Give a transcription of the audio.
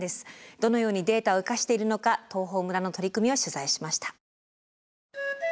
どのようにデータを生かしているのか東峰村の取り組みを取材しました。